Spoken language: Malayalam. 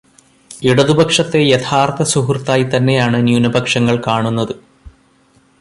ഇടതുപക്ഷത്തെ യഥാർഥ സുഹൃത്തായിത്തന്നെയാണ് ന്യൂനപക്ഷങ്ങൾ കാണുന്നത്.